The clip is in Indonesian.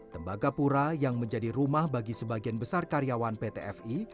tembagapura yang menjadi rumah bagi sebagian besar karyawan pt fi